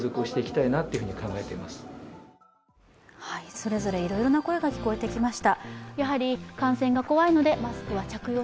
それぞれいろいろな声が聞こえてきました。